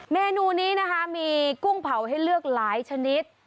เมนูนี้นะคะมีกุ้งเผาให้เลือกหลายชนิด